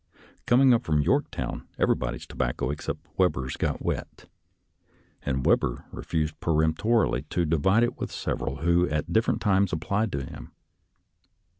Coming up from Yorktown, ev erybody's tobacco except Webber's got wet, and Webber refused peremptorily to divide with sev eral who at different times applied to him.